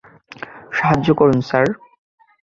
সাহায্য করুন, স্যার।